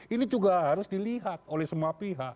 ini juga harus dilihat oleh semua pihak